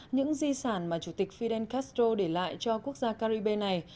những di sản mà chủ tịch fidel castro để lại cho quốc gia caribe này